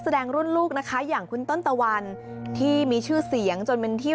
แสดงรุ่นลูกนะคะอย่างคุณต้นตะวันที่มีชื่อเสียงจนเป็นที่